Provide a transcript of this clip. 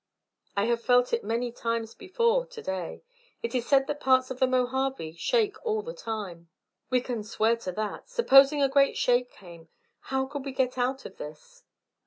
"I have felt it many times before, to day. It is said that parts of the Mojave shake all the time." "We can swear to that. Supposing a great shake came, how could we get out of this?"